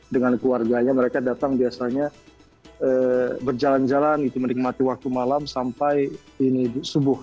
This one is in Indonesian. dengan keluarganya mereka datang biasanya berjalan jalan menikmati waktu malam sampai subuh